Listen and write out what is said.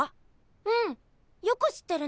うんよく知ってるね。